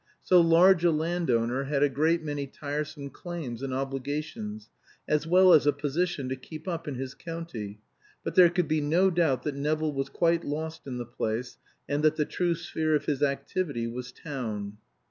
So large a land owner had a great many tiresome claims and obligations, as well as a position to keep up in his county; but there could be no doubt that Nevill was quite lost in the place, and that the true sphere of his activity was town.